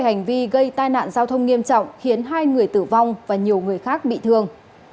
hành vi gây tai nạn giao thông nghiêm trọng khiến hai người tử vong và nhiều người khác bị thương